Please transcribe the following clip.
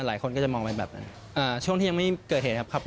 หลายคนก็จะมองไปแบบนั้นอ่าช่วงที่ยังไม่เกิดเหตุครับครับ